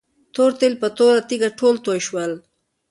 تور تیل په توره تيږه ټول توي شول.